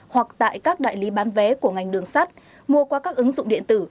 hoặc tại các đại lý bán vé của ngành đường sắt mua qua các ứng dụng điện tử